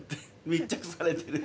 密着されてる。